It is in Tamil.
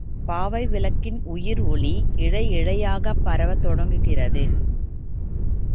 பாவை விளக்கின் உயிர் ஒளி இழை இழையாகப் பரவத் தொடங்குகிறது.